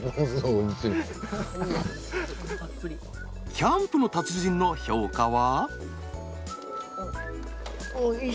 キャンプの達人の評価は？